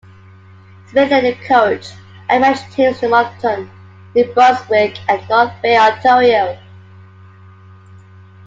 Smith later coached and managed teams in Moncton, New Brunswick, and North Bay, Ontario.